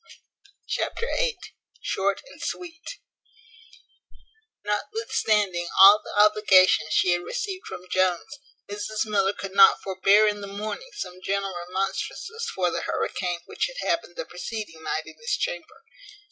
Chapter viii. Short and sweet. Notwithstanding all the obligations she had received from Jones, Mrs Miller could not forbear in the morning some gentle remonstrances for the hurricane which had happened the preceding night in his chamber.